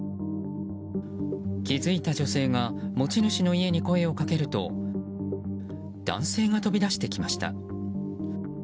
気付いた女性が持ち主の家に声をかけると男性が飛び出してきました。